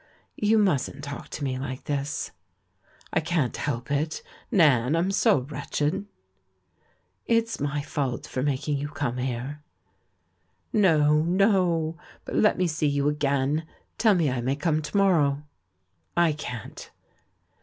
"You mustn't talk to me like this." "I can't help it. Nan, I'm so wretched!" THE RECONCILIATION 381 "It's my fault for making j^ou come here." "No, no. But let me see you again. Tell me I may come to morrow." I can t.